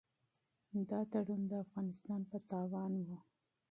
دا تړون د افغانستان په تاوان و.